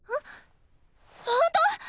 ほんと！？